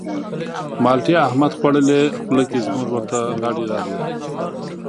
مالټې احمد خوړلې خوله کې زموږ ورته لاړې راغلې.